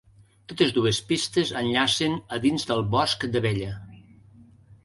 Totes dues pistes enllacen a dins del Bosc d'Abella.